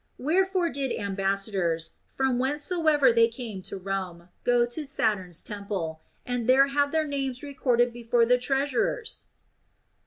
Wherefore did ambassadors, from whence soever they came to Rome, go to Saturn's temple, and there have their names recorded before the treasurers